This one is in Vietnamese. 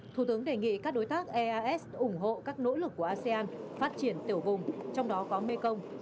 thủ tướng đề nghị các đối tác eas ủng hộ các nỗ lực của asean phát triển tiểu vùng trong đó có mekong